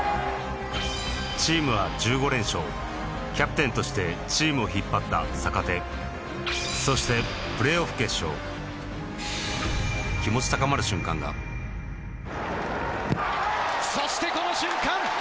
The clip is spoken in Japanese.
チームはキャプテンとしてチームを引っ張った坂手そしてプレーオフ決勝そしてこの瞬間！